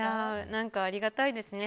何かありがたいですね。